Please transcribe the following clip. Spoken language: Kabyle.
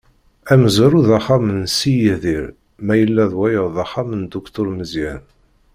Amezwaru d axxam n si Yidir, ma yella d wayeḍ d axxam n Dduktur Meẓyan.